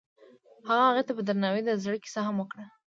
هغه هغې ته په درناوي د زړه کیسه هم وکړه.